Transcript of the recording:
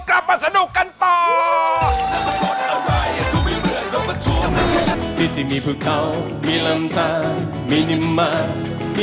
ถ้าอยากดีแล้ว